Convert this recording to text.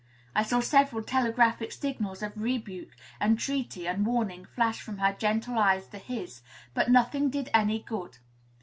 I saw several telegraphic signals of rebuke, entreaty, and warning flash from her gentle eyes to his; but nothing did any good.